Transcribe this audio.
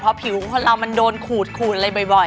เพราะผิวคนเรามันโดนขูดขูดอะไรบ่อย